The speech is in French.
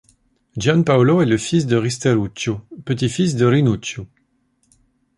Gian-Paolo est le fils de Risterucciu, petit-fils de Rinucciu.